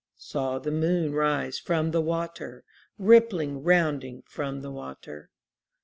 Saw the moon rise from the water. Rippling, rounding from the water.